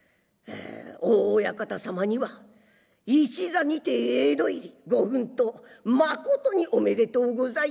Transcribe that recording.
「大親方様には一座にて江戸入りご奮闘まことにおめでとうございます。